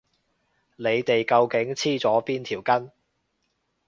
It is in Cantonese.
你哋究竟黐咗邊條筋？